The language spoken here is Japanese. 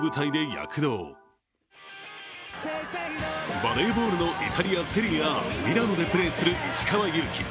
バレーボールのイタリアセリエＡミラノでプレーする石川祐希。